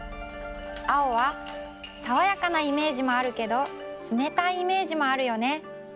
青はさわやかなイメージもあるけどつめたいイメージもあるよね。